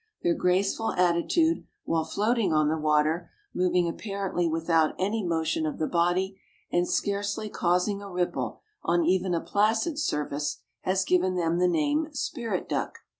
Their graceful attitude while floating on the water, moving apparently without any motion of the body and scarcely causing a ripple on even a placid surface, has given them the name Spirit duck.